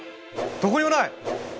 どこにもない！